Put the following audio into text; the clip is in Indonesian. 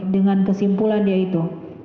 dengan kesimpulan yaitu